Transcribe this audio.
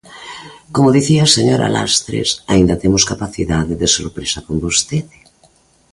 Como dicía a señora Lastres, aínda temos capacidade de sorpresa con vostede.